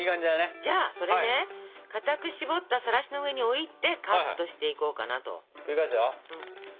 じゃあそれね固くしぼったさらしの上に置いてカットしていこうかなと。